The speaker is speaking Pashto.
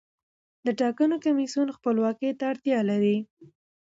د ټاکنو کمیسیون خپلواکۍ ته اړتیا لري